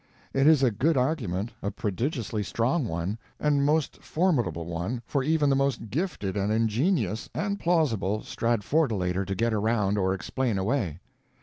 It is a good argument, a prodigiously strong one, and most formidable one for even the most gifted and ingenious and plausible Stratfordolator to get around or explain away.